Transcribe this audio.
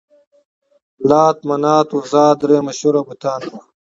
لات، منات، عزا درې مشهور بتان وو.